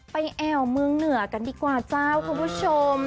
แอวเมืองเหนือกันดีกว่าเจ้าคุณผู้ชม